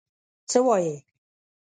څه وايې؟